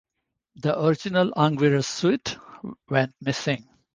The original Anguirus suit went missing.